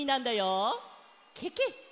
ケケ！